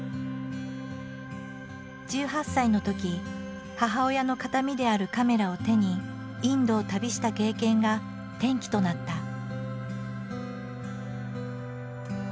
１８歳のとき母親の形見であるカメラを手にインドを旅した経験が転機となった。